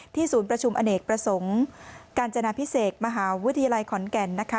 ศูนย์ประชุมอเนกประสงค์การจนาพิเศษมหาวิทยาลัยขอนแก่นนะคะ